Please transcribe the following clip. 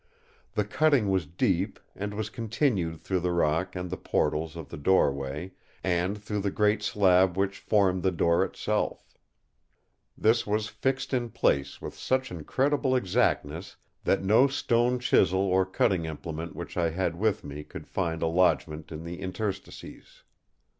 The cutting was deep, and was continued through the rock and the portals of the doorway, and through the great slab which formed the door itself. This was fixed in place with such incredible exactness that no stone chisel or cutting implement which I had with me could find a lodgment in the interstices.